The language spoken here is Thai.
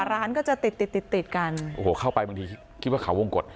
ร้านก็จะติดติดติดติดกันโอ้โหเข้าไปบางทีคิดว่าเขาวงกฎ